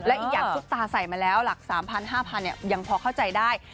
อีกอย่างซุปตาใส่มาแล้วหลัก๓๐๐๕๐๐ยังพอเข้าใจได้